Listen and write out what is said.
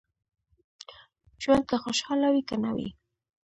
ژوند که خوشاله وي که نه وي.